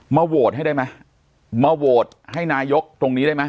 โหวตให้ได้ไหมมาโหวตให้นายกตรงนี้ได้ไหม